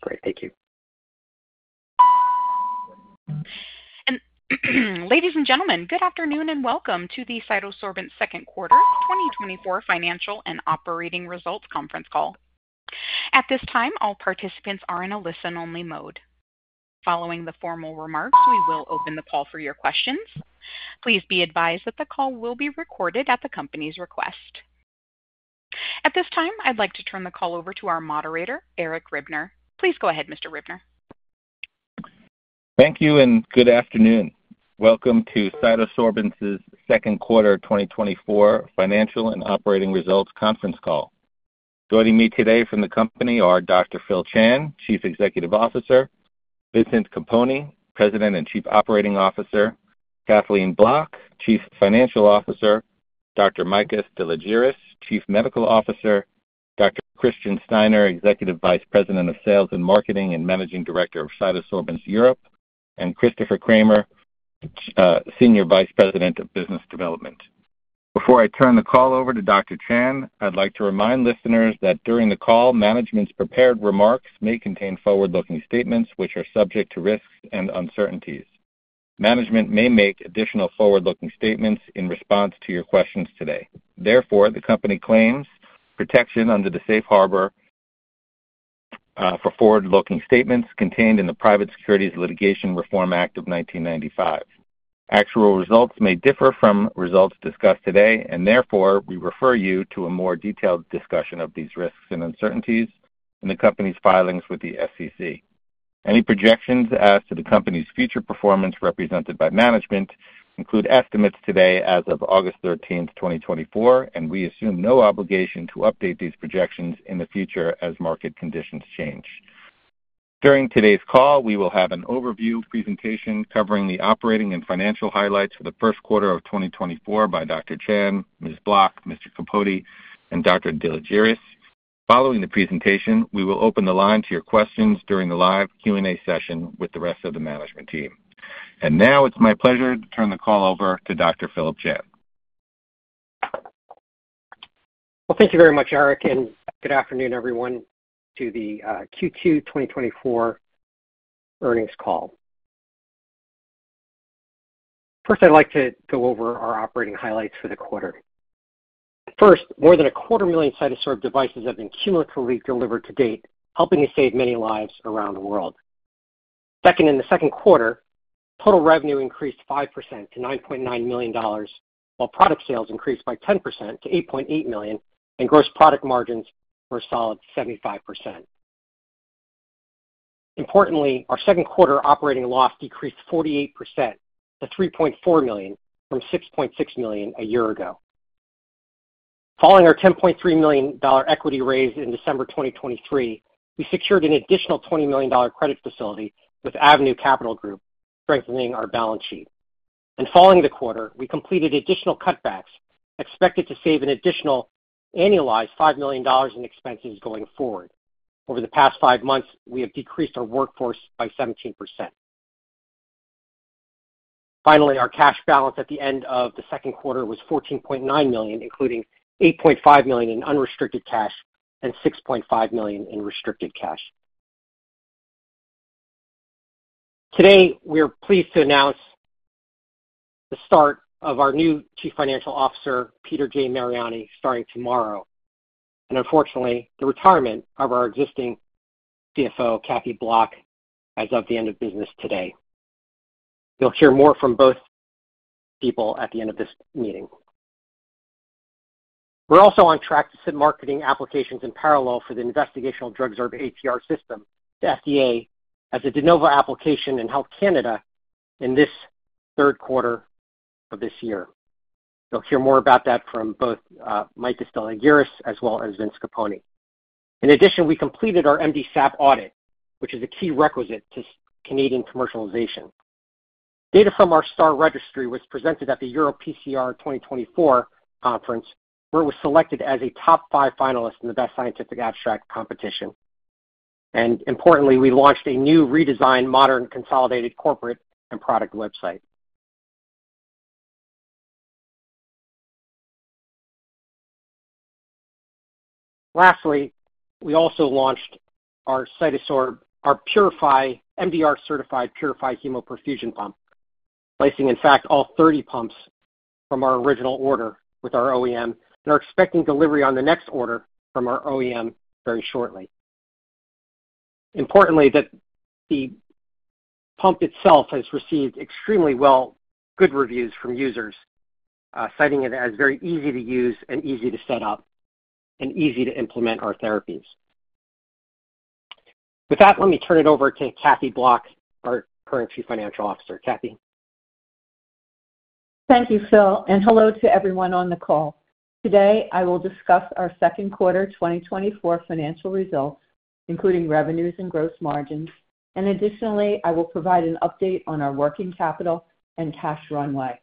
Great. Thank you. Ladies and gentlemen, good afternoon, and welcome to the CytoSorbents second quarter 2024 financial and operating results conference call. At this time, all participants are in a listen-only mode. Following the formal remarks, we will open the call for your questions. Please be advised that the call will be recorded at the company's request. At this time, I'd like to turn the call over to our moderator, Eric Ribner. Please go ahead, Mr. Ribner. Thank you and good afternoon. Welcome to CytoSorbents' second quarter 2024 financial and operating results conference call. Joining me today from the company are Dr. Phillip Chan, Chief Executive Officer; Vincent Capponi, President and Chief Operating Officer; Kathleen Bloch, Chief Financial Officer; Dr. Makis Deliargyris, Chief Medical Officer; Dr. Christian Steiner, Executive Vice President of Sales and Marketing and Managing Director of CytoSorbents Europe; and Christopher Cramer, Senior Vice President of Business Development. Before I turn the call over to Dr. Chan, I'd like to remind listeners that during the call, management's prepared remarks may contain forward-looking statements, which are subject to risks and uncertainties. Management may make additional forward-looking statements in response to your questions today. Therefore, the company claims protection under the safe harbor for forward-looking statements contained in the Private Securities Litigation Reform Act of 1995. Actual results may differ from results discussed today, and therefore, we refer you to a more detailed discussion of these risks and uncertainties in the company's filings with the SEC. Any projections as to the company's future performance represented by management include estimates today as of August 13, 2024, and we assume no obligation to update these projections in the future as market conditions change. During today's call, we will have an overview presentation covering the operating and financial highlights for the first quarter of 2024 by Dr. Chan, Ms. Bloch, Mr. Capponi, and Dr. Deliargyris. Following the presentation, we will open the line to your questions during the live Q&A session with the rest of the management team. And now it's my pleasure to turn the call over to Dr. Phillip Chan. Well, thank you very much, Eric, and good afternoon, everyone, to the Q2 2024 earnings call. First, I'd like to go over our operating highlights for the quarter. First, more than 250,000 CytoSorb devices have been cumulatively delivered to date, helping to save many lives around the world. Second, in the second quarter, total revenue increased 5% to $9.9 million, while product sales increased by 10% to $8.8 million, and gross product margins were a solid 75%. Importantly, our second quarter operating loss decreased 48% to $3.4 million, from $6.6 million a year ago. Following our $10.3 million equity raise in December 2023, we secured an additional $20 million credit facility with Avenue Capital Group, strengthening our balance sheet. Following the quarter, we completed additional cutbacks, expected to save an additional annualized $5 million in expenses going forward. Over the past five months, we have decreased our workforce by 17%. Finally, our cash balance at the end of the second quarter was $14.9 million, including $8.5 million in unrestricted cash and $6.5 million in restricted cash. Today, we are pleased to announce the start of our new Chief Financial Officer, Peter J. Mariani, starting tomorrow, and unfortunately, the retirement of our existing CFO, Kathleen Bloch, as of the end of business today. You'll hear more from both people at the end of this meeting. We're also on track to submit marketing applications in parallel for the investigational drug, DrugSorb-ATR, to FDA as a De Novo application in Health Canada in this third quarter of this year. You'll hear more about that from both, Makis Deliargyris as well as Vincent Capponi. In addition, we completed our MDSAP audit, which is a key requisite to Canadian commercialization. Data from our STAR Registry was presented at the EuroPCR 2024 conference, where it was selected as a top 5 finalist in the Best Scientific Abstract Competition. Importantly, we launched a new redesigned, modern, consolidated corporate and product website. Lastly, we also launched our CytoSorb, our PuriFi, MDR-certified PuriFi hemoperfusion pump, placing, in fact, all 30 pumps from our original order with our OEM and are expecting delivery on the next order from our OEM very shortly. Importantly, that the pump itself has received extremely well, good reviews from users, citing it as very easy to use and easy to set up and easy to implement our therapies. With that, let me turn it over to Kathleen Bloch, our current Chief Financial Officer. Kathy? Thank you, Phill, and hello to everyone on the call. Today, I will discuss our second quarter 2024 financial results, including revenues and gross margins. Additionally, I will provide an update on our working capital and cash runway.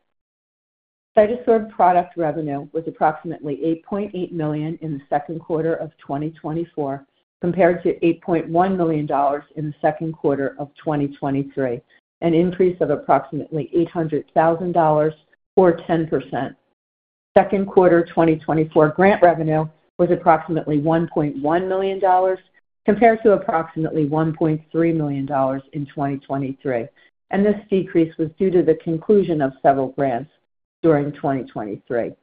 CytoSorb product revenue was approximately $8.8 million in the second quarter of 2024, compared to $8.1 million in the second quarter of 2023, an increase of approximately $800,000 or 10%. Second quarter 2024 grant revenue was approximately $1.1 million, compared to approximately $1.3 million in 2023, and this decrease was due to the conclusion of several grants during 2023.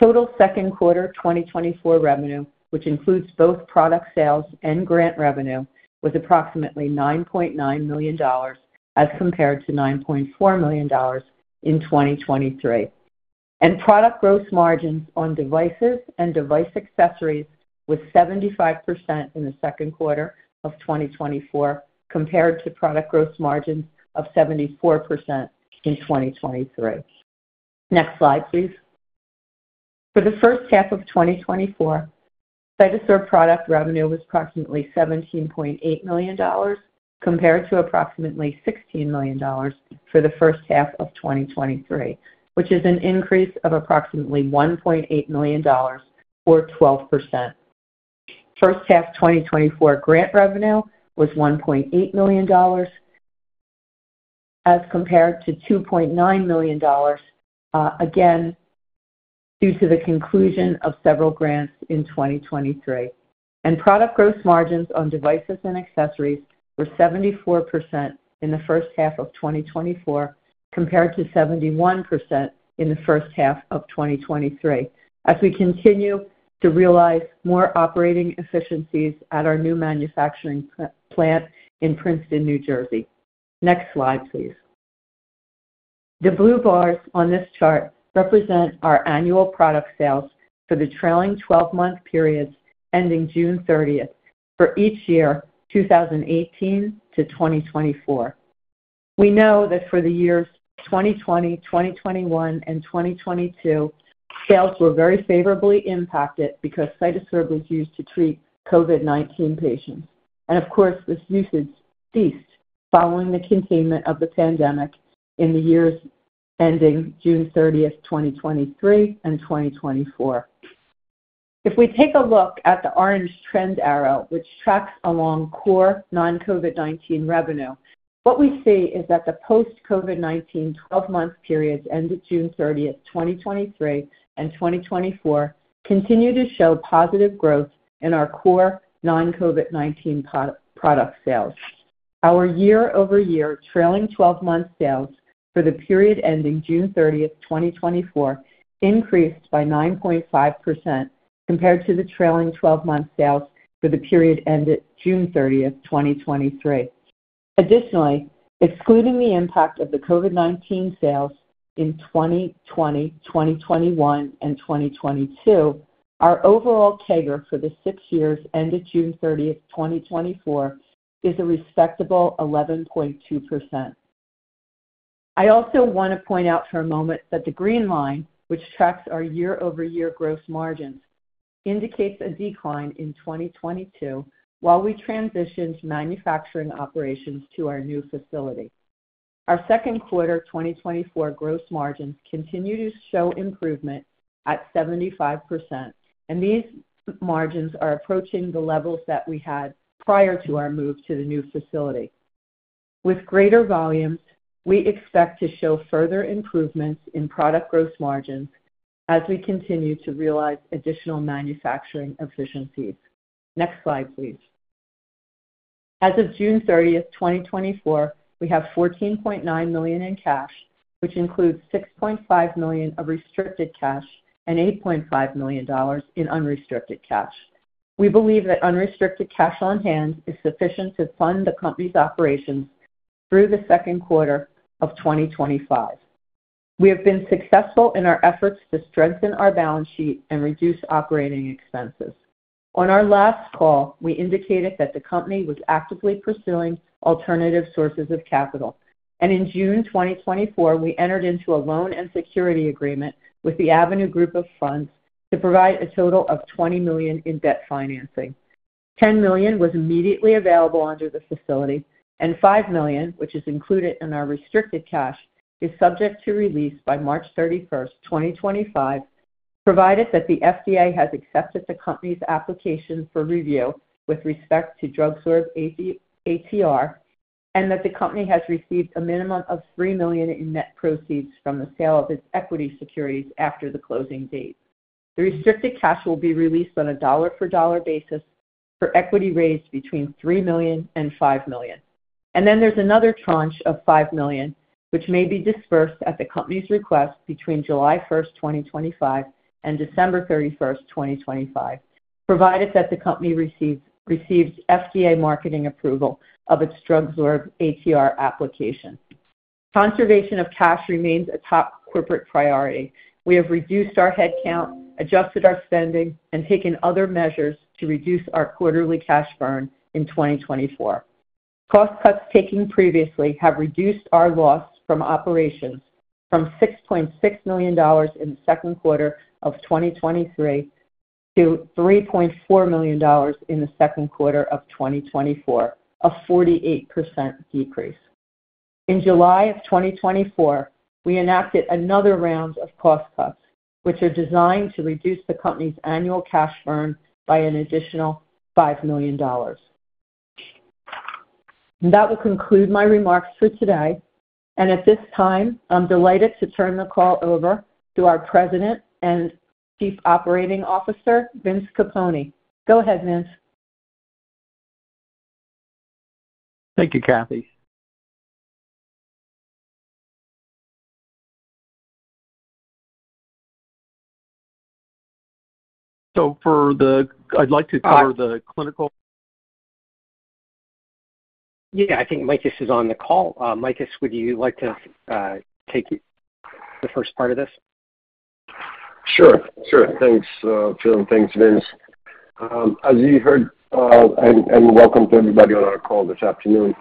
Total second quarter 2024 revenue, which includes both product sales and grant revenue, was approximately $9.9 million, as compared to $9.4 million in 2023. Product gross margins on devices and device accessories was 75% in the second quarter of 2024, compared to product gross margins of 74% in 2023. Next slide, please. For the first half of 2024, CytoSorb product revenue was approximately $17.8 million, compared to approximately $16 million for the first half of 2023, which is an increase of approximately $1.8 million, or 12%. First half 2024 grant revenue was $1.8 million, as compared to $2.9 million, again, due to the conclusion of several grants in 2023. Product gross margins on devices and accessories were 74% in the first half of 2024, compared to 71% in the first half of 2023. As we continue to realize more operating efficiencies at our new manufacturing plant in Princeton, New Jersey. Next slide, please. The blue bars on this chart represent our annual product sales for the trailing 12-month periods ending June 30th, for each year, 2018 to 2024. We know that for the years 2020, 2021, and 2022, sales were very favorably impacted because CytoSorb was used to treat COVID-19 patients. Of course, this usage ceased following the containment of the pandemic in the years ending June 30th, 2023 and 2024. If we take a look at the orange trend arrow, which tracks along core non-COVID-19 revenue, what we see is that the post-COVID-19 12-month periods ended June 30th, 2023 and 2024, continue to show positive growth in our core non-COVID-19 product sales. Our year-over-year trailing 12-month sales for the period ending June 30th, 2024, increased by 9.5% compared to the trailing 12-month sales for the period ended June 30th, 2023. Additionally, excluding the impact of the COVID-19 sales in 2020, 2021, and 2022, our overall CAGR for the six years ended June 30th, 2024, is a respectable 11.2%. I also want to point out for a moment that the green line, which tracks our year-over-year gross margins, indicates a decline in 2022, while we transitioned manufacturing operations to our new facility. Our second quarter 2024 gross margins continue to show improvement at 75%, and these margins are approaching the levels that we had prior to our move to the new facility. With greater volumes, we expect to show further improvements in product gross margins as we continue to realize additional manufacturing efficiencies. Next slide, please. As of June 30th, 2024, we have $14.9 million in cash, which includes $6.5 million of restricted cash and $8.5 million in unrestricted cash. We believe that unrestricted cash on hand is sufficient to fund the company's operations through the second quarter of 2025. We have been successful in our efforts to strengthen our balance sheet and reduce operating expenses. On our last call, we indicated that the company was actively pursuing alternative sources of capital, and in June 2024, we entered into a loan and security agreement with Avenue Capital Group to provide a total of $20 million in debt financing. $10 million was immediately available under the facility, and $5 million, which is included in our restricted cash, is subject to release by March 31st, 2025, provided that the FDA has accepted the company's application for review with respect to DrugSorb-ATR, and that the company has received a minimum of $3 million in net proceeds from the sale of its equity securities after the closing date. The restricted cash will be released on a dollar-for-dollar basis for equity raised between $3 million and $5 million. And then there's another tranche of $5 million, which may be disbursed at the company's request between July 1st, 2025, and December 31st, 2025, provided that the company receives, receives FDA marketing approval of its DrugSorb-ATR application. Conservation of cash remains a top corporate priority. We have reduced our headcount, adjusted our spending, and taken other measures to reduce our quarterly cash burn in 2024. Cost cuts taken previously have reduced our loss from operations from $6.6 million in the second quarter of 2023 to $3.4 million in the second quarter of 2024, a 48% decrease. In July of 2024, we enacted another round of cost cuts, which are designed to reduce the company's annual cash burn by an additional $5 million. That will conclude my remarks for today. At this time, I'm delighted to turn the call over to our President and Chief Operating Officer, Vincent Capponi. Go ahead, Vince. Thank you, Kathy. So, I'd like to cover the clinical. Yeah, I think Makis is on the call. Makis, would you like to take the first part of this? Sure. Sure. Thanks, Phill, and thanks, Vince. As you heard, and welcome to everybody on our call this afternoon.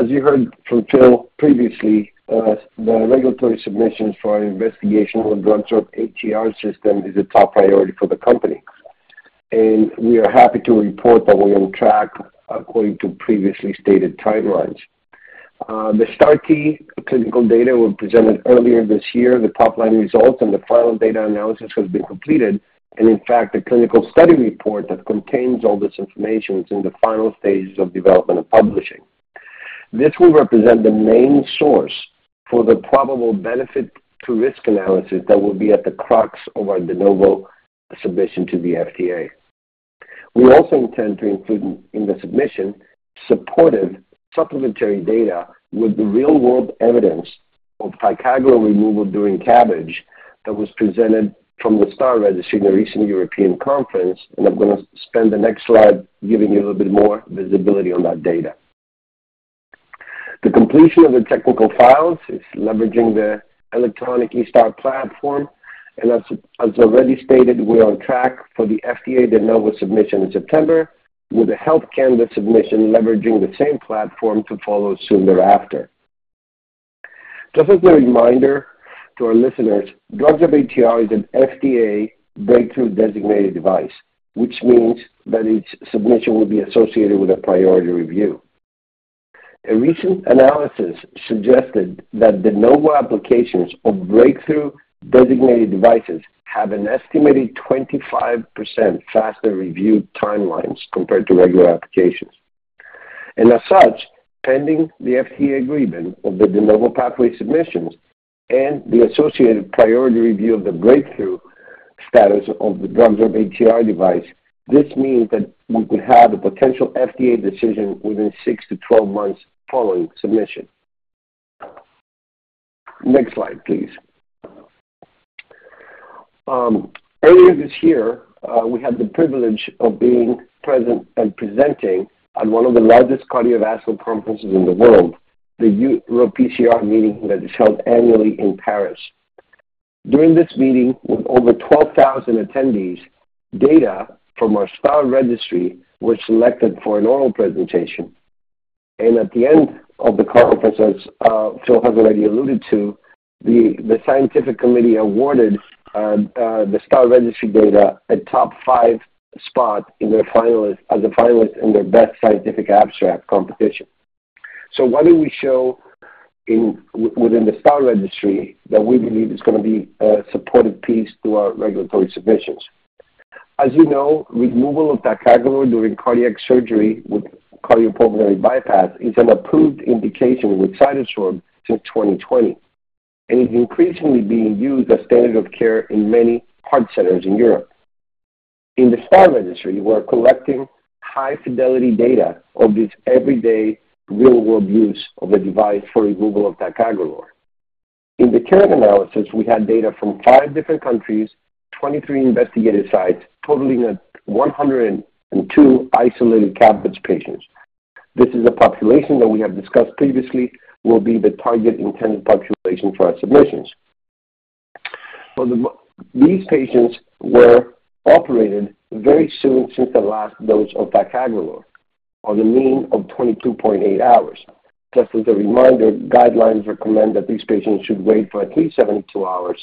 As you heard from Phill previously, the regulatory submissions for our investigational DrugSorb-ATR system is a top priority for the company, and we are happy to report that we're on track according to previously stated timelines. The STAR-T clinical data were presented earlier this year. The top-line results and the final data analysis has been completed, and in fact, the clinical study report that contains all this information is in the final stages of development and publishing. This will represent the main source for the probable benefit to risk analysis that will be at the crux of our De Novo submission to the FDA. We also intend to include in the submission, supportive supplementary data with the real-world evidence of ticagrelor removal during CABG that was presented from the STAR Registry in a recent European conference. I'm gonna spend the next slide giving you a little bit more visibility on that data. The completion of the technical files is leveraging the electronic eSTAR platform, and as already stated, we are on track for the FDA De Novo submission in September, with the Health Canada submission leveraging the same platform to follow soon thereafter. Just as a reminder to our listeners, DrugSorb-ATR is an FDA Breakthrough Designated Device, which means that each submission will be associated with a priority review. A recent analysis suggested that De Novo applications of Breakthrough Designated Devices have an estimated 25% faster review timelines compared to regular applications. And as such, pending the FDA agreement of the De Novo pathway submissions and the associated priority review of the breakthrough status of the DrugSorb-ATR device, this means that we could have a potential FDA decision within 6-12 months following submission. Next slide, please. Earlier this year, we had the privilege of being present and presenting at one of the largest cardiovascular conferences in the world, the EuroPCR meeting that is held annually in Paris. During this meeting, with over 12,000 attendees, data from our STAR Registry was selected for an oral presentation. And at the end of the conference, as Phill has already alluded to, the scientific committee awarded the STAR Registry data a top five spot in their finalist, as a finalist in their Best Scientific Abstract competition. So what did we show in within the STAR Registry that we believe is gonna be a supportive piece to our regulatory submissions? As you know, removal of ticagrelor during cardiac surgery with cardiopulmonary bypass is an approved indication with CytoSorb since 2020, and is increasingly being used as standard of care in many heart centers in Europe. In the STAR Registry, we're collecting high-fidelity data of this everyday real-world use of a device for removal of ticagrelor. In the current analysis, we had data from 5 different countries, 23 investigative sites, totaling at 102 isolated CABG patients. This is a population that we have discussed previously will be the target intended population for our submissions. These patients were operated very soon since the last dose of ticagrelor on the mean of 22.8 hours. Just as a reminder, guidelines recommend that these patients should wait for at least 72 hours,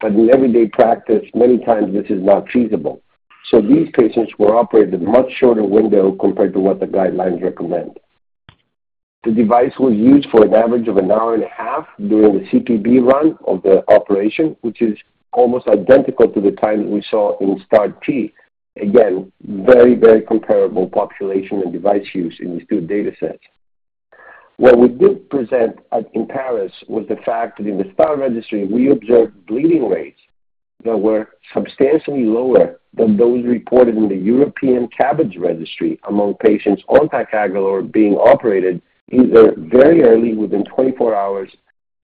but in everyday practice, many times this is not feasible. So these patients were operated with a much shorter window compared to what the guidelines recommend. The device was used for an average of an hour and a half during the CPB run of the operation, which is almost identical to the time we saw in STAR-T. Again, very, very comparable population and device use in these two datasets. What we did present at in Paris was the fact that in the STAR Registry, we observed bleeding rates that were substantially lower than those reported in the European CABG registry among patients on ticagrelor being operated either very early within 24 hours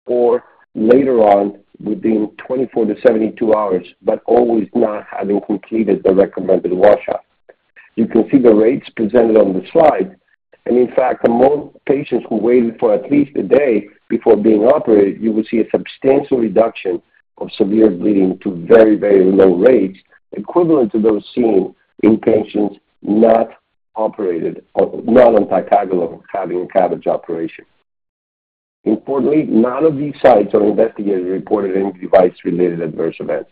or later on within 24 to 72 hours, but always not having completed the recommended washout. You can see the rates presented on the slide, and in fact, among patients who waited for at least a day before being operated, you will see a substantial reduction of severe bleeding to very, very low rates, equivalent to those seen in patients not operated or not on ticagrelor, having a CABG operation. Importantly, none of these sites or investigators reported any device-related adverse events.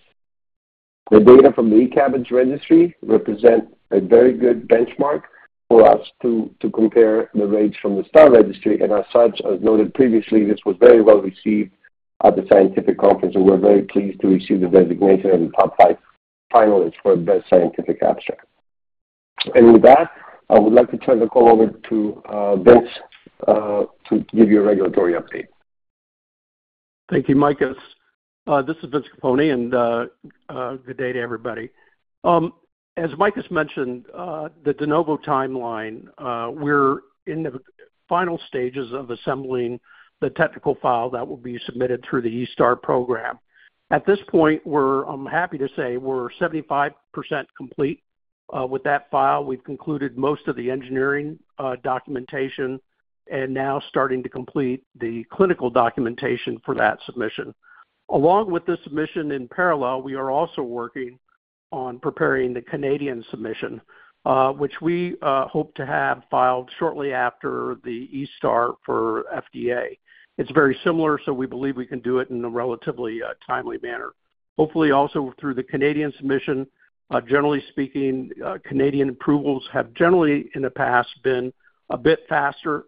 The data from the E-CABG registry represent a very good benchmark for us to compare the rates from the STAR Registry, and as such, as noted previously, this was very well received at the scientific conference, and we're very pleased to receive the designation of the top five finalists for Best Scientific Abstract. And with that, I would like to turn the call over to Vince to give you a regulatory update. Thank you, Makis. This is Vincent Capponi, and good day to everybody. As Makis mentioned, the De Novo timeline, we're in the final stages of assembling the technical file that will be submitted through the eSTAR program. At this point, I'm happy to say, we're 75% complete with that file. We've concluded most of the engineering documentation, and now starting to complete the clinical documentation for that submission. Along with the submission in parallel, we are also working on preparing the Canadian submission, which we hope to have filed shortly after the eSTAR for FDA. It's very similar, so we believe we can do it in a relatively timely manner. Hopefully, also through the Canadian submission, generally speaking, Canadian approvals have generally, in the past, been a bit faster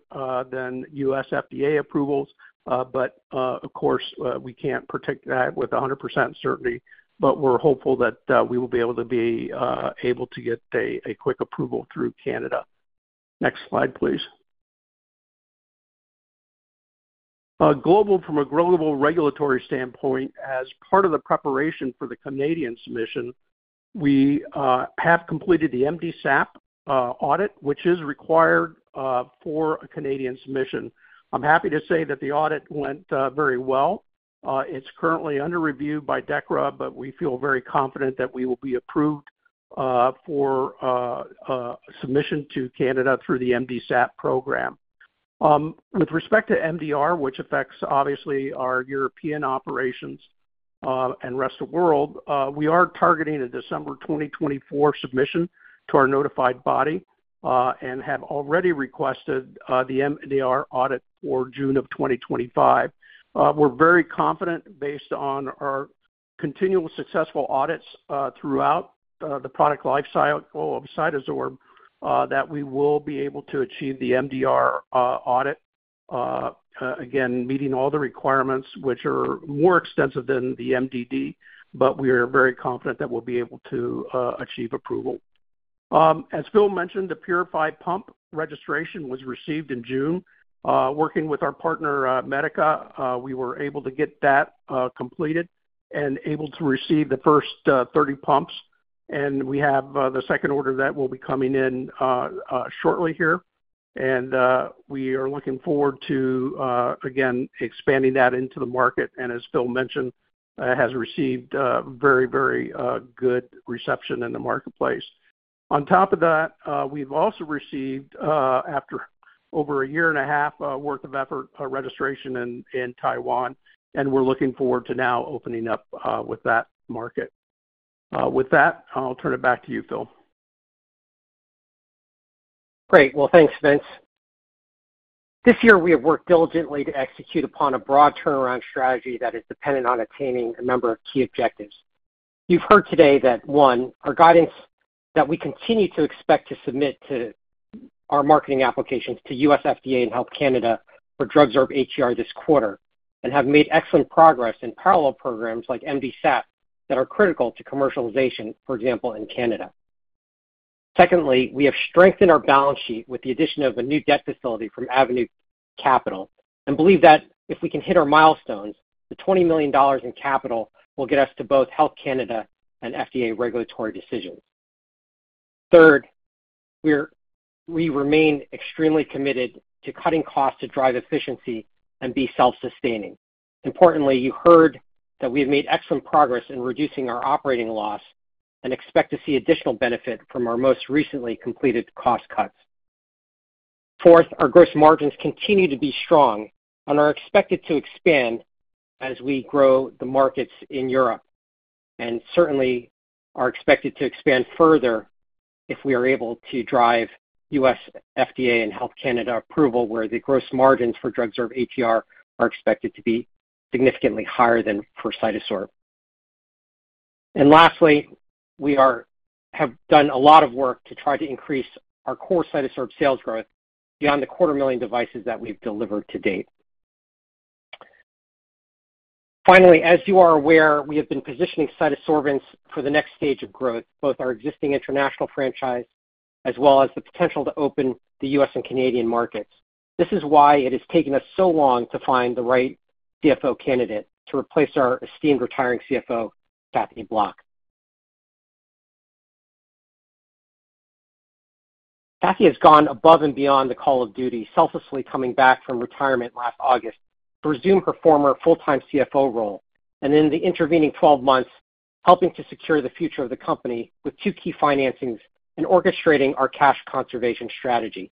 than U.S. FDA approvals. But, of course, we can't predict that with 100% certainty, but we're hopeful that we will be able to get a quick approval through Canada. Next slide, please. Global, from a global regulatory standpoint, as part of the preparation for the Canadian submission, we have completed the MDSAP audit, which is required for a Canadian submission. I'm happy to say that the audit went very well. It's currently under review by DEKRA, but we feel very confident that we will be approved for submission to Canada through the MDSAP program. With respect to MDR, which affects obviously our European operations and rest of world, we are targeting a December 2024 submission to our notified body and have already requested the MDR audit for June of 2025. We're very confident, based on our continual successful audits throughout the product lifecycle of CytoSorb, that we will be able to achieve the MDR audit. Again, meeting all the requirements, which are more extensive than the MDD, but we are very confident that we'll be able to achieve approval. As Phill mentioned, the PuriFi Pump Registration was received in June. Working with our partner, Medica, we were able to get that completed and able to receive the first 30 pumps, and we have the second order that will be coming in shortly here. We are looking forward to again expanding that into the market, and as Phill mentioned, has received very, very good reception in the marketplace. On top of that, we've also received, after over a year and a half worth of effort, a registration in Taiwan, and we're looking forward to now opening up with that market. With that, I'll turn it back to you, Phill. Great. Well, thanks, Vince. This year, we have worked diligently to execute upon a broad turnaround strategy that is dependent on attaining a number of key objectives. You've heard today that, one, our guidance, that we continue to expect to submit our marketing applications to U.S. FDA and Health Canada for DrugSorb-ATR this quarter and have made excellent progress in parallel programs like MDSAP that are critical to commercialization, for example, in Canada. Secondly, we have strengthened our balance sheet with the addition of a new debt facility from Avenue Capital and believe that if we can hit our milestones, the $20 million in capital will get us to both Health Canada and FDA regulatory decisions. Third, we remain extremely committed to cutting costs to drive efficiency and be self-sustaining. Importantly, you heard that we have made excellent progress in reducing our operating loss and expect to see additional benefit from our most recently completed cost cuts. Fourth, our gross margins continue to be strong and are expected to expand as we grow the markets in Europe, and certainly are expected to expand further if we are able to drive U.S. FDA and Health Canada approval, where the gross margins for DrugSorb-ATR are expected to be significantly higher than for CytoSorb. And lastly, we have done a lot of work to try to increase our core CytoSorb sales growth beyond the 250,000 devices that we've delivered to date. Finally, as you are aware, we have been positioning CytoSorbents for the next stage of growth, both our existing international franchise as well as the potential to open the U.S. and Canadian markets. This is why it has taken us so long to find the right CFO candidate to replace our esteemed retiring CFO, Kathleen Bloch. Kathleen has gone above and beyond the call of duty, selflessly coming back from retirement last August to resume her former full-time CFO role, and in the intervening 12 months, helping to secure the future of the company with two key financings and orchestrating our cash conservation strategy.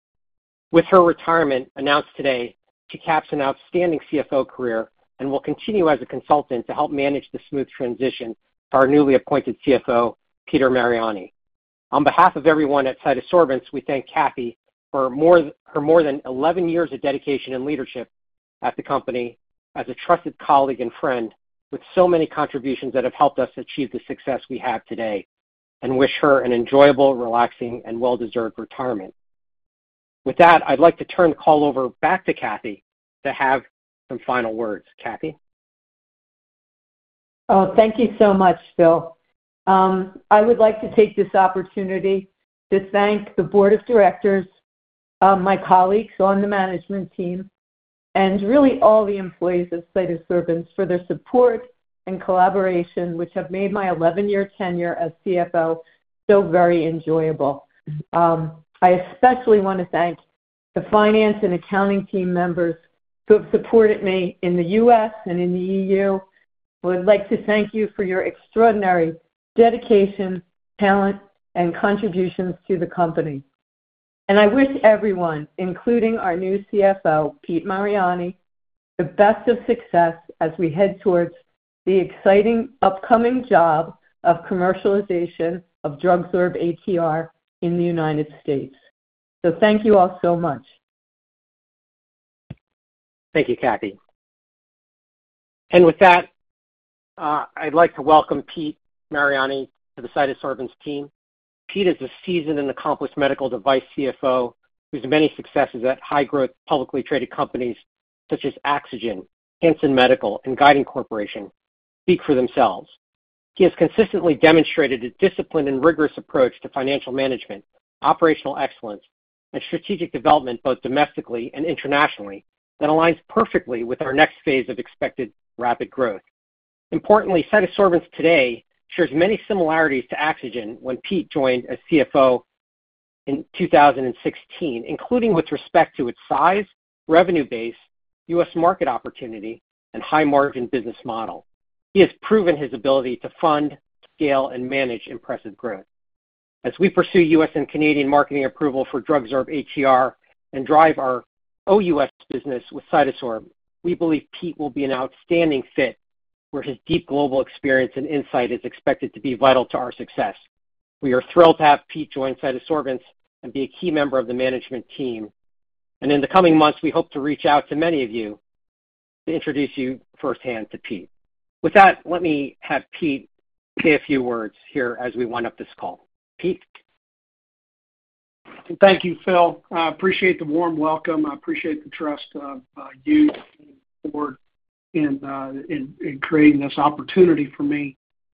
With her retirement announced today, she caps an outstanding CFO career and will continue as a consultant to help manage the smooth transition to our newly appointed CFO, Peter Mariani. On behalf of everyone at CytoSorbents, we thank Kathy for her more than 11 years of dedication and leadership at the company as a trusted colleague and friend with so many contributions that have helped us achieve the success we have today, and wish her an enjoyable, relaxing, and well-deserved retirement. With that, I'd like to turn the call over back to Kathy to have some final words. Kathy? Oh, thank you so much, Phill. I would like to take this opportunity to thank the board of directors, my colleagues on the management team, and really all the employees of CytoSorbents for their support and collaboration, which have made my 11-year tenure as CFO so very enjoyable. I especially want to thank the finance and accounting team members who have supported me in the U.S. and in the E.U. I would like to thank you for your extraordinary dedication, talent, and contributions to the company. And I wish everyone, including our new CFO, Pete Mariani, the best of success as we head towards the exciting upcoming job of commercialization of DrugSorb-ATR in the United States. So thank you all so much. Thank you, Kathy. And with that, I'd like to welcome Pete Mariani to the CytoSorbents team. Pete is a seasoned and accomplished medical device CFO, whose many successes at high-growth, publicly traded companies such as AxoGen, Hansen Medical, and Guidant Corporation speak for themselves. He has consistently demonstrated a disciplined and rigorous approach to financial management, operational excellence, and strategic development, both domestically and internationally, that aligns perfectly with our next phase of expected rapid growth. Importantly, CytoSorbents today shares many similarities to AxoGen when Pete joined as CFO in 2016, including with respect to its size, revenue base, U.S. market opportunity, and high margin business model. He has proven his ability to fund, scale, and manage impressive growth. As we pursue U.S. and Canadian marketing approval for DrugSorb-ATR and drive our OUS business with CytoSorb, we believe Pete will be an outstanding fit, where his deep global experience and insight is expected to be vital to our success. We are thrilled to have Pete join CytoSorbents and be a key member of the management team. And in the coming months, we hope to reach out to many of you to introduce you firsthand to Pete. With that, let me have Pete say a few words here as we wind up this call. Pete? Thank you, Phill. I appreciate the warm welcome. I appreciate the trust of, you and the board in, in, in creating this opportunity for me.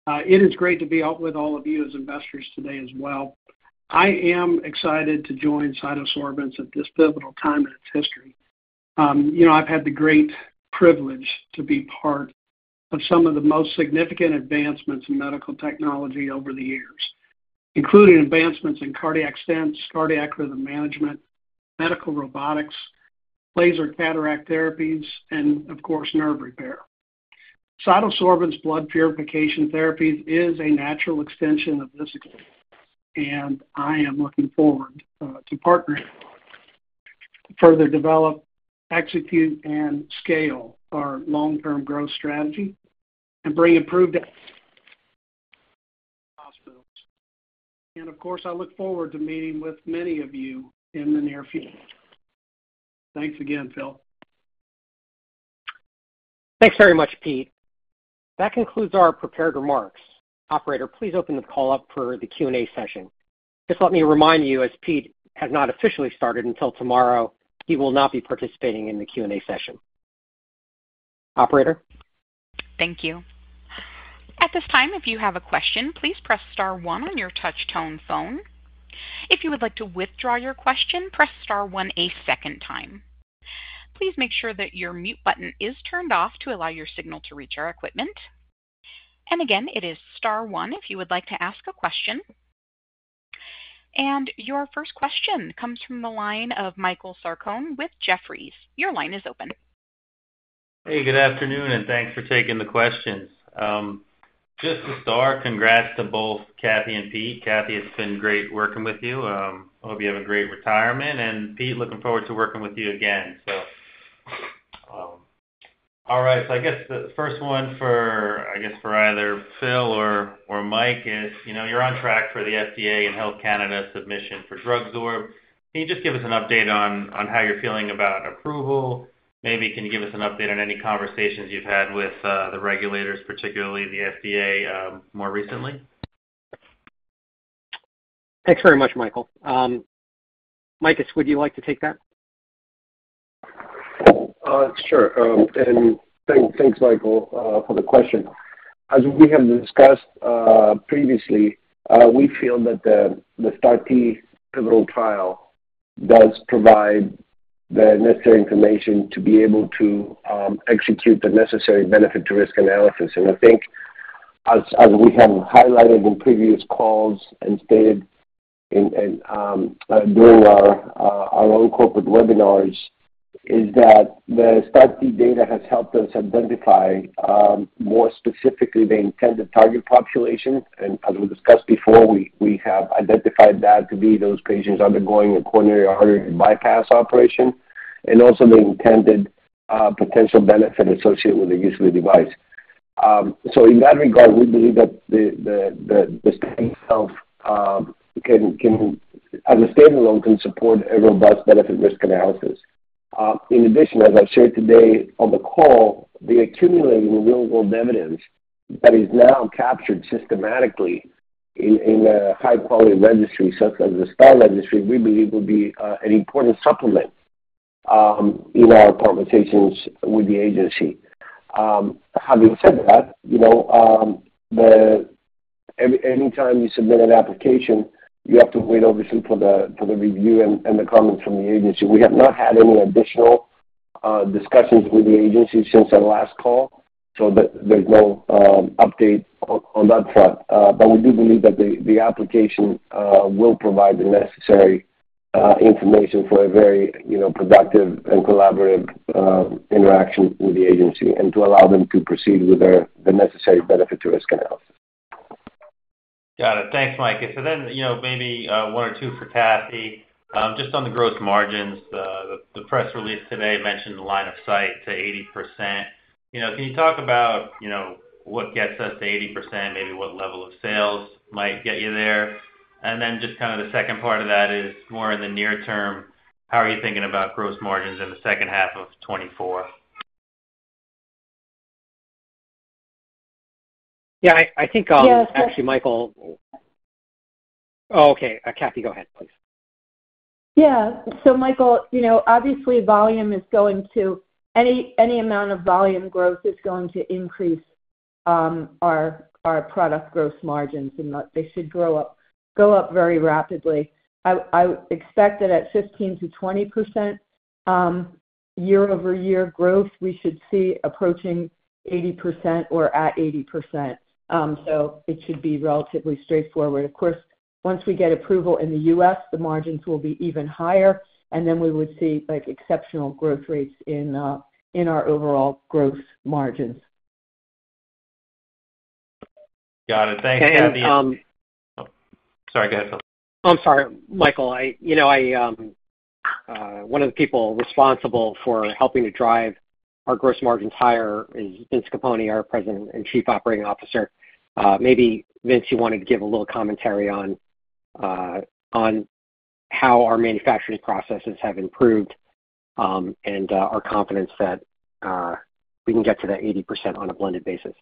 It is great to be out with all of you as investors today as well. I am excited to join CytoSorbents at this pivotal time in its history. You know, I've had the great privilege to be part of some of the most significant advancements in medical technology over the years, including advancements in cardiac stents, cardiac rhythm management, medical robotics, laser cataract therapies, and of course, nerve repair. CytoSorbents' blood purification therapies is a natural extension of this, and I am looking forward, to partnering to further develop, execute, and scale our long-term growth strategy and bring improved [outcomes to] hospitals. And of course, I look forward to meeting with many of you in the near future. Thanks again, Phill. Thanks very much, Pete. That concludes our prepared remarks. Operator, please open the call up for the Q&A session. Just let me remind you, as Pete has not officially started until tomorrow, he will not be participating in the Q&A session. Operator? Thank you. At this time, if you have a question, please press star one on your touch tone phone. If you would like to withdraw your question, press star one a second time. Please make sure that your mute button is turned off to allow your signal to reach our equipment. And again, it is star one if you would like to ask a question. And your first question comes from the line of Michael Sarcone with Jefferies. Your line is open. Hey, good afternoon, and thanks for taking the questions. Just to start, congrats to both Kathy and Pete. Kathy, it's been great working with you. I hope you have a great retirement, and Pete, looking forward to working with you again. So, all right. So I guess the first one for, I guess, for either Phill or Makis is, you know, you're on track for the FDA and Health Canada submission for DrugSorb. Can you just give us an update on how you're feeling about approval? Maybe can you give us an update on any conversations you've had with the regulators, particularly the FDA, more recently? Thanks very much, Michael. Makis, would you like to take that? Sure. And thanks, thanks, Michael, for the question. As we have discussed, previously, we feel that the STAR-T clinical trial does provide the necessary information to be able to execute the necessary benefit to risk analysis. And I think as we have highlighted in previous calls and stated in during our own corporate webinars, is that the STAR-T data has helped us identify more specifically, the intended target population. And as we discussed before, we have identified that to be those patients undergoing a coronary artery bypass operation and also the intended potential benefit associated with the use of the device. So in that regard, we believe that the study itself, as a standalone, can support a robust benefit risk analysis. In addition, as I shared today on the call, the accumulating real-world evidence that is now captured systematically in a high-quality registry such as the STAR Registry, we believe will be an important supplement in our conversations with the agency. Having said that, you know, any, anytime you submit an application, you have to wait obviously for the review and the comments from the agency. We have not had any additional discussions with the agency since our last call, so there's no update on that front. But we do believe that the application will provide the necessary information for a very, you know, productive and collaborative interaction with the agency and to allow them to proceed with their necessary benefit to risk analysis. Got it. Thanks, Makis. So then, you know, maybe one or two for Kathy. Just on the gross margins, the press release today mentioned the line of sight to 80%. You know, can you talk about, you know, what gets us to 80%? Maybe what level of sales might get you there. And then just kind of the second part of that is more in the near term, how are you thinking about gross margins in the second half of 2024? Yeah, I think- Yeah. Actually, Michael. Oh, okay. Kathy, go ahead, please. Yeah. So Michael, you know, obviously volume is going to, any amount of volume growth is going to increase our product gross margins, and they should go up very rapidly. I expect that at 15%-20% year-over-year growth, we should see approaching 80% or at 80%. So it should be relatively straightforward. Of course, once we get approval in the U.S., the margins will be even higher, and then we would see, like, exceptional growth rates in our overall gross margins. Got it. Thanks, Kathy. And, um- Sorry, go ahead, Phill. I'm sorry, Michael. You know, one of the people responsible for helping to drive our gross margins higher is Vincent Capponi, our President and Chief Operating Officer. Maybe, Vince, you wanted to give a little commentary on how our manufacturing processes have improved, and our confidence that we can get to that 80% on a blended basis.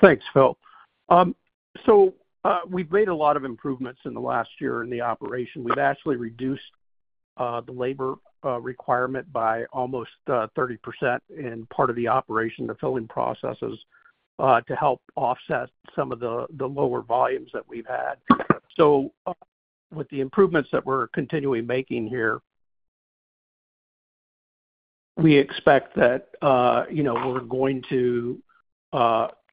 Thanks, Phill. So, we've made a lot of improvements in the last year in the operation. We've actually reduced the labor requirement by almost 30% in part of the operation, the filling processes, to help offset some of the, the lower volumes that we've had. So with the improvements that we're continually making here, we expect that, you know, we're going to,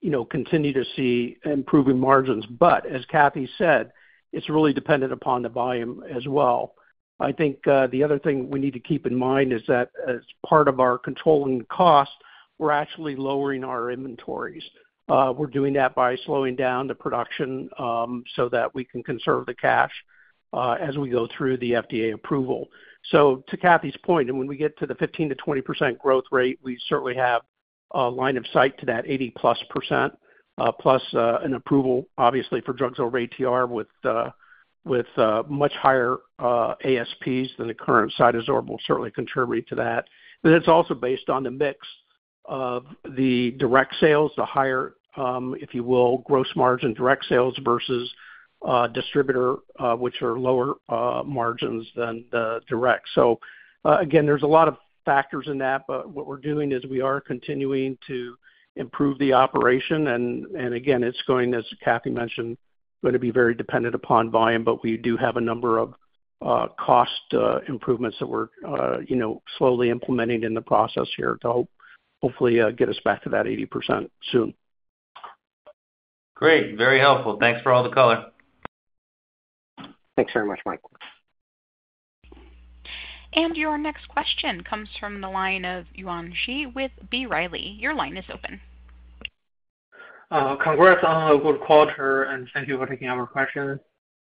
you know, continue to see improving margins. But as Kathy said, it's really dependent upon the volume as well. I think the other thing we need to keep in mind is that as part of our controlling costs, we're actually lowering our inventories. We're doing that by slowing down the production, so that we can conserve the cash, as we go through the FDA approval. So to Kathy's point, and when we get to the 15%-20% growth rate, we certainly have a line of sight to that 80%+, plus an approval obviously for DrugSorb-ATR with much higher ASPs than the current CytoSorbents will certainly contribute to that. But it's also based on the mix of the direct sales, the higher, if you will, gross margin direct sales versus distributor, which are lower margins than the direct. So, again, there's a lot of factors in that, but what we're doing is we are continuing to improve the operation. Again, it's going, as Kathy mentioned, going to be very dependent upon volume, but we do have a number of cost improvements that we're, you know, slowly implementing in the process here to hopefully get us back to that 80% soon. Great. Very helpful. Thanks for all the color. Thanks very much, Michael. Your next question comes from the line of Yuan Zhi with B. Riley. Your line is open. Congrats on a good quarter, and thank you for taking our question.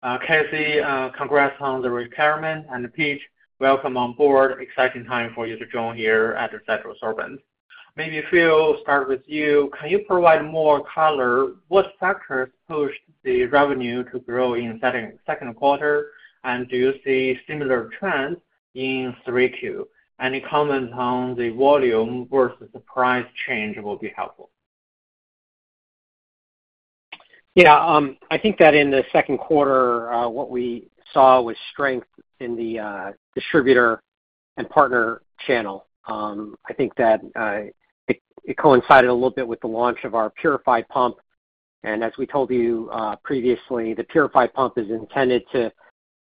Kathy, congrats on the retirement, and, Phil, welcome on board. Exciting time for you to join here at CytoSorbents. Maybe, Phill, start with you. Can you provide more color, what factors pushed the revenue to grow in second, second quarter? And do you see similar trends in 3Q? Any comment on the volume versus the price change will be helpful. Yeah, I think that in the second quarter, what we saw was strength in the distributor and partner channel. I think that it coincided a little bit with the launch of our PuriFi pump. And as we told you previously, the PuriFi pump is intended to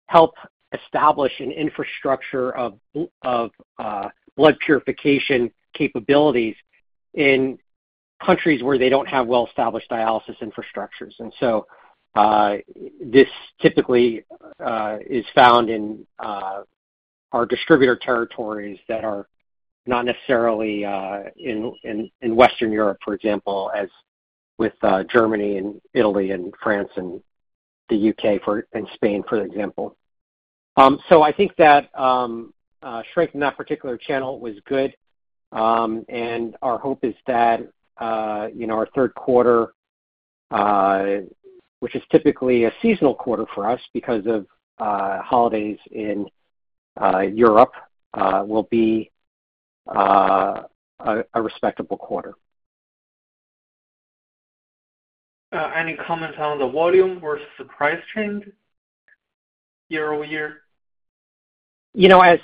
help establish an infrastructure of blood purification capabilities in countries where they don't have well-established dialysis infrastructures. And so, this typically is found in our distributor territories that are not necessarily in Western Europe, for example, as with Germany and Italy and France and the U.K., for example, and Spain, for example. So I think that strength in that particular channel was good, and our hope is that, you know, our third quarter, which is typically a seasonal quarter for us because of holidays in Europe will be a respectable quarter. Any comments on the volume versus the price trend year-over-year? You know, as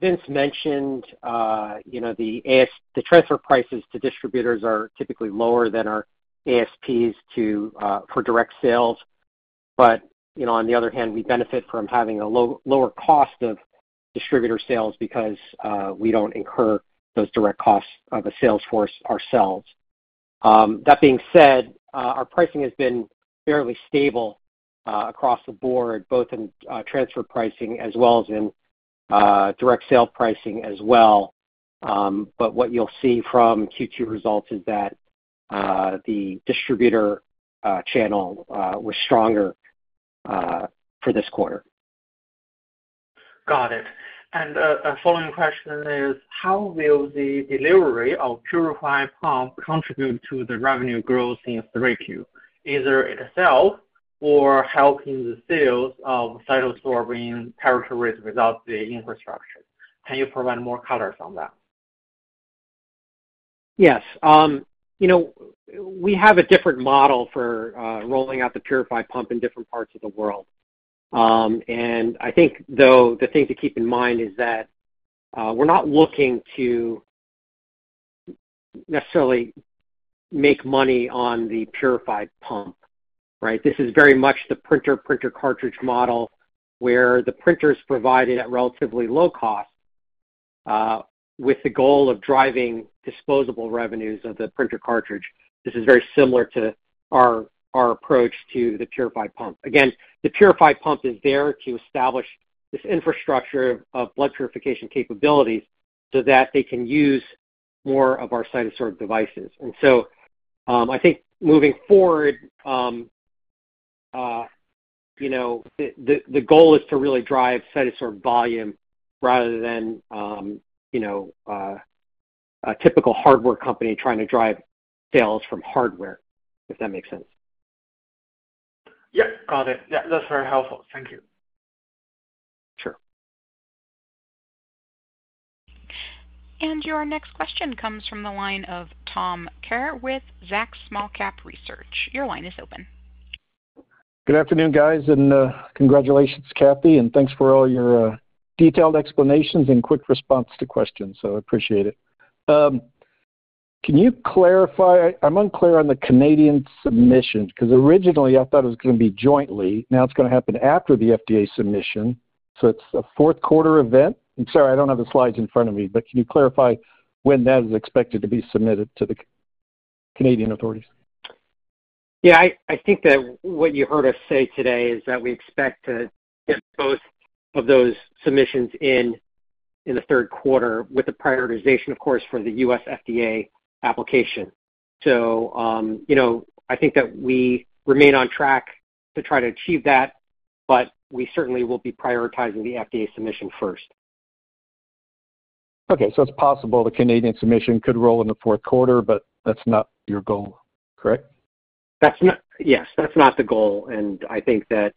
Vince mentioned, you know, the transfer prices to distributors are typically lower than our ASPs to, for direct sales. But, you know, on the other hand, we benefit from having a lower cost of distributor sales because we don't incur those direct costs of a sales force ourselves. That being said, our pricing has been fairly stable, across the board, both in transfer pricing as well as in direct sale pricing as well. But what you'll see from Q2 results is that the distributor channel was stronger for this quarter. Got it. And, a following question is: How will the delivery of PuriFi Pump contribute to the revenue growth in 3Q, either itself or helping the sales of CytoSorbents territories without the infrastructure? Can you provide more colors on that? Yes. You know, we have a different model for rolling out the PuriFi Pump in different parts of the world. And I think, though, the thing to keep in mind is that we're not looking to necessarily make money on the PuriFi Pump, right? This is very much the printer, printer cartridge model, where the printer's provided at relatively low cost with the goal of driving disposable revenues of the printer cartridge. This is very similar to our, our approach to the PuriFi Pump. Again, the PuriFi Pump is there to establish this infrastructure of blood purification capabilities so that they can use more of our CytoSorb devices. And so, I think moving forward, you know, the goal is to really drive CytoSorb volume rather than, you know, a typical hardware company trying to drive sales from hardware, if that makes sense. Yeah, got it. Yeah, that's very helpful. Thank you. Sure. Your next question comes from the line of Tom Kerr with Zacks Small-Cap Research. Your line is open. Good afternoon, guys, and congratulations, Kathy, and thanks for all your detailed explanations and quick response to questions. So I appreciate it. Can you clarify, I'm unclear on the Canadian submission, because originally I thought it was gonna be jointly. Now, it's gonna happen after the FDA submission, so it's a fourth quarter event? And sorry, I don't have the slides in front of me, but can you clarify when that is expected to be submitted to the Canadian authorities? Yeah, I think that what you heard us say today is that we expect to get both of those submissions in the third quarter with the prioritization, of course, for the U.S. FDA application. So, you know, I think that we remain on track to try to achieve that, but we certainly will be prioritizing the FDA submission first. Okay, so it's possible the Canadian submission could roll in the fourth quarter, but that's not your goal, correct? That's not. Yes, that's not the goal, and I think that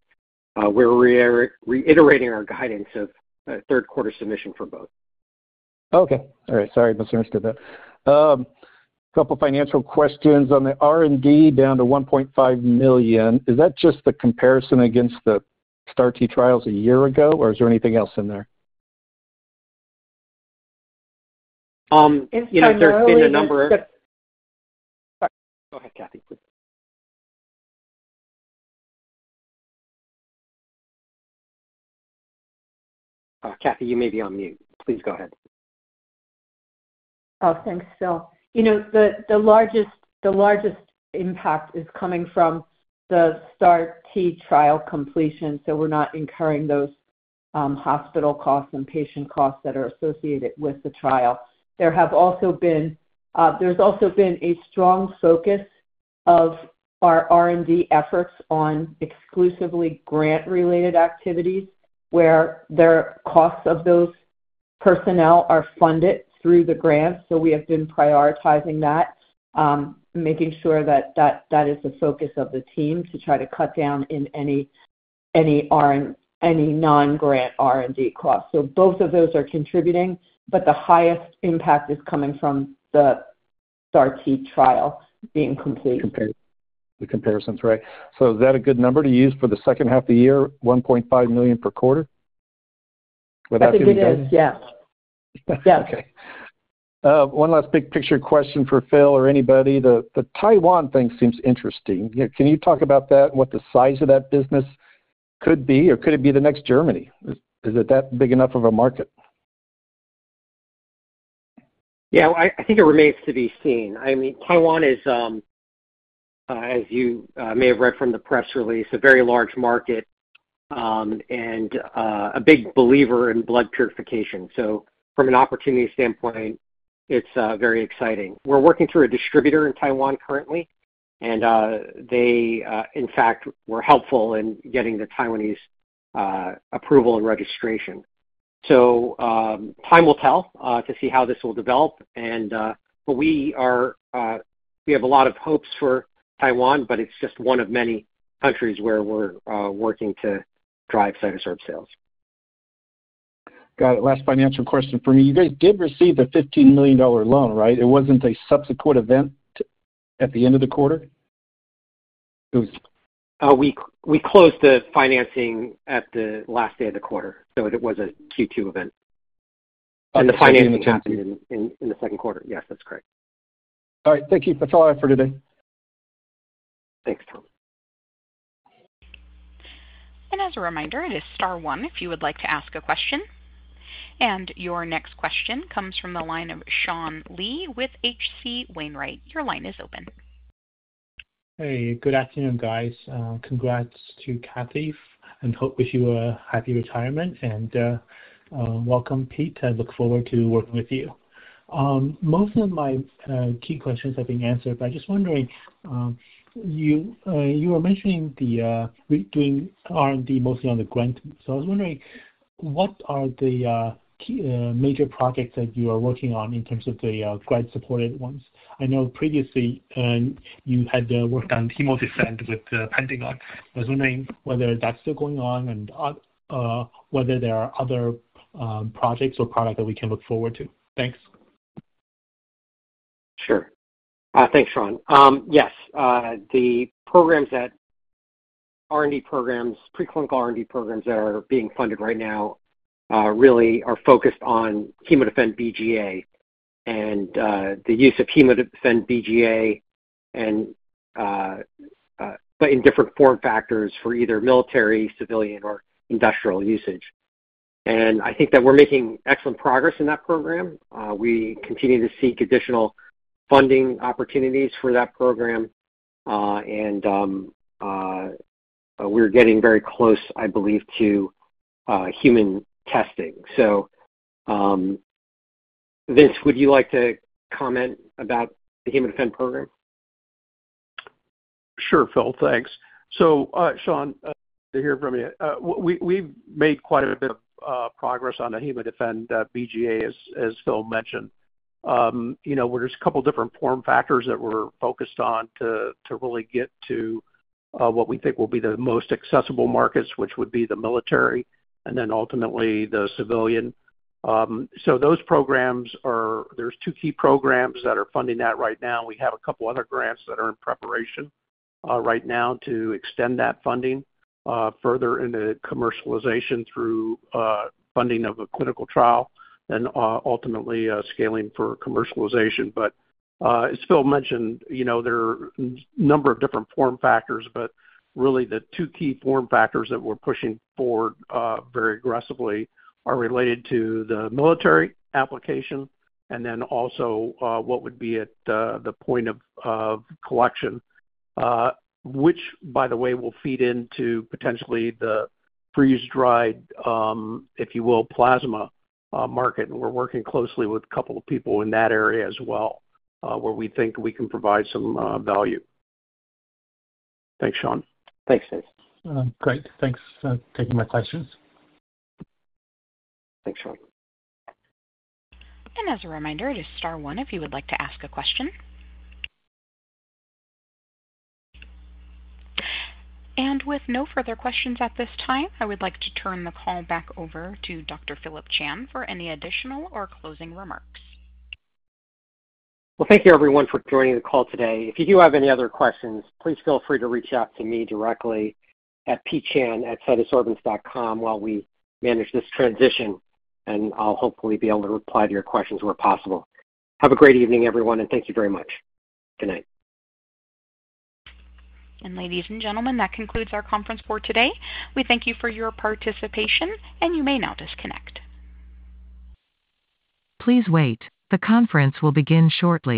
we're reiterating our guidance of a third quarter submission for both. Okay. All right. Sorry, misunderstood that. A couple financial questions. On the R&D down to $1.5 million, is that just the comparison against the STAR-T trials a year ago, or is there anything else in there? You know, there's been a number of- Sorry. Go ahead, Kathy, please. Kathy, you may be on mute. Please go ahead. Oh, thanks, Phill. You know, the largest impact is coming from the STAR-T trial completion, so we're not incurring those hospital costs and patient costs that are associated with the trial. There has also been a strong focus of our R&D efforts on exclusively grant-related activities, where their costs of those personnel are funded through the grants. So we have been prioritizing that, making sure that is the focus of the team to try to cut down in any non-grant R&D costs. So both of those are contributing, but the highest impact is coming from the STAR-T trial being complete. Compared, the comparisons, right. So is that a good number to use for the second half of the year, $1.5 million per quarter? Would that be- I think it is, yes. Yes. Okay. One last big picture question for Phill or anybody. The Taiwan thing seems interesting. Can you talk about that and what the size of that business could be, or could it be the next Germany? Is it that big enough of a market? Yeah, I think it remains to be seen. I mean, Taiwan is, as you may have read from the press release, a very large market, and a big believer in blood purification. So from an opportunity standpoint, it's very exciting. We're working through a distributor in Taiwan currently, and they, in fact, were helpful in getting the Taiwanese approval and registration. So, time will tell to see how this will develop, and but we have a lot of hopes for Taiwan, but it's just one of many countries where we're working to drive CytoSorb sales. Got it. Last financial question for me. You guys did receive the $15 million loan, right? It wasn't a subsequent event at the end of the quarter? We closed the financing at the last day of the quarter, so it was a Q2 event. And the financing happened in the second quarter. Yes, that's correct. All right. Thank you. That's all I have for today. Thanks, Tom. As a reminder, it is star one if you would like to ask a question. Your next question comes from the line of Sean Lee with H.C. Wainwright. Your line is open. Hey, good afternoon, guys. Congrats to Kathy, and wish you a happy retirement, and welcome, Pete. I look forward to working with you. Most of my key questions have been answered, but I'm just wondering, you were mentioning the doing R&D mostly on the grant. So I was wondering, what are the key major projects that you are working on in terms of the grant-supported ones? I know previously, you had worked on HemoDefend with Pentagon. I was wondering whether that's still going on and whether there are other projects or product that we can look forward to. Thanks. Sure. Thanks, Sean. Yes, the programs that R&D programs, preclinical R&D programs that are being funded right now, really are focused on HemoDefend-BGA and, the use of HemoDefend-BGA and, but in different form factors for either military, civilian, or industrial usage. And I think that we're making excellent progress in that program. We continue to seek additional funding opportunities for that program, and, we're getting very close, I believe, to, human testing. So, Vince, would you like to comment about the HemoDefend program? Sure, Phill. Thanks. So, Sean, to hear from you. We've made quite a bit of progress on the HemoDefend-BGA, as Phill mentioned. You know, there's a couple different form factors that we're focused on to really get to what we think will be the most accessible markets, which would be the military and then ultimately the civilian. So those programs are... There's two key programs that are funding that right now. We have a couple other grants that are in preparation right now to extend that funding further into commercialization through funding of a clinical trial and ultimately scaling for commercialization. But, as Phill mentioned, you know, there are n-number of different form factors, but really the two key form factors that we're pushing for very aggressively are related to the military application and then also what would be at the point of collection, which, by the way, will feed into potentially the freeze-dried, if you will, plasma market. We're working closely with a couple of people in that area as well, where we think we can provide some value. Thanks, Sean. Thanks, Vince. Great. Thanks for taking my questions. Thanks, Sean. As a reminder, it is star one if you would like to ask a question. With no further questions at this time, I would like to turn the call back over to Dr. Phillip Chan for any additional or closing remarks. Well, thank you everyone for joining the call today. If you do have any other questions, please feel free to reach out to me directly at pchan@cytosorbents.com while we manage this transition, and I'll hopefully be able to reply to your questions where possible. Have a great evening, everyone, and thank you very much. Good night. Ladies and gentlemen, that concludes our conference for today. We thank you for your participation, and you may now disconnect. Please wait. The conference will begin shortly.